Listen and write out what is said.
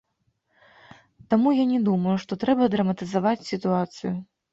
Таму я не думаю, што трэба драматызаваць сітуацыю.